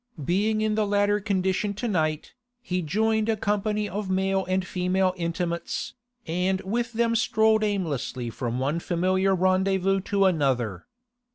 Being in the latter condition to night, he joined a company of male and female intimates, and with them strolled aimlessly from one familiar rendezvous to another.